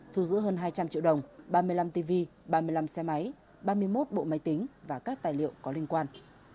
thu giữ hơn hai trăm linh triệu đồng ba mươi năm tv ba mươi năm xe máy ba mươi một bộ máy tính và các tài liệu có liên quan